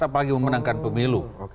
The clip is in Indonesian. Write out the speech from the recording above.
apalagi memenangkan pemilu